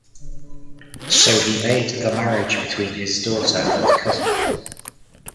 So he made the marriage between his daughter and cousin.